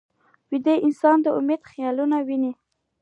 ویده انسان د امید خیالونه ویني